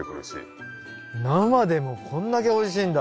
生でもこんだけおいしいんだ。